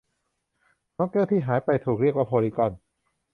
นกแก้วที่หายไปถูกเรียกว่าโพลีกอน